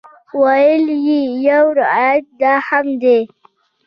ویل یې یو روایت دا هم دی.